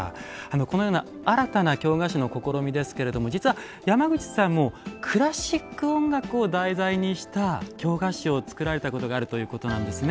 このような新たな京菓子の試みですけれども実は山口さんもクラシック音楽を題材にした京菓子を作られたことがあるということなんですね。